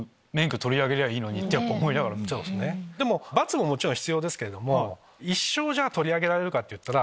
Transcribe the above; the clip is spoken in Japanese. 罰ももちろん必要ですけれども一生取り上げられるかといったら。